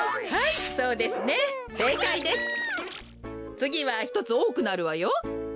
つぎは１つおおくなるわよ。